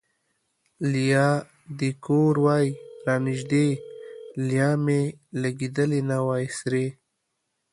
لیا دې کور وای را نژدې ـ لیا مې لیدلګې نه وای سرې